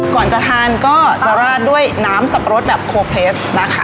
ก่อนจะทานก็จะราดด้วยน้ำสับปะรดแบบโคเพลสนะคะ